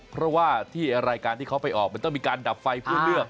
เพราะว่าที่รายการที่เขาไปออกมันต้องมีการดับไฟเพื่อเลือก